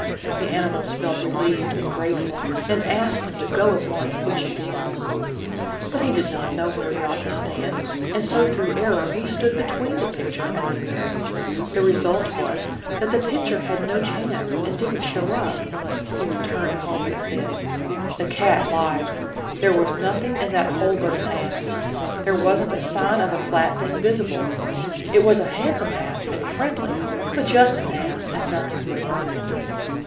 The animals felt relieved and grateful, and asked him to go at once which he did. But he did not know where he ought to stand; and so, through error, he stood between the picture and the mirror. The result was that the picture had no chance, and didn't show up. He returned home and said: "The cat lied. There was nothing in that hole but an ass. There wasn't a sign of a flat thing visible. It was a handsome ass, and friendly, but just an ass, and nothing more."